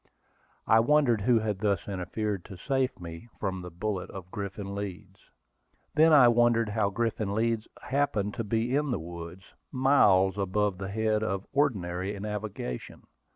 I wondered who had thus interfered to save me from the bullet of Griffin Leeds. Then I wondered how Griffin Leeds happened to be in the woods, miles above the head of ordinary navigation.